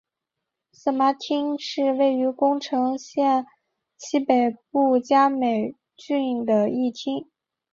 色麻町是位于宫城县西北部加美郡的一町。